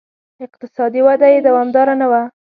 اقتصادي وده یې دوامداره نه وه